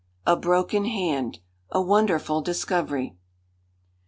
A BROKEN HAND A WONDERFUL DISCOVERY.